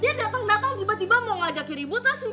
dia dateng dateng tiba tiba mau ngajakin ribut lah si gino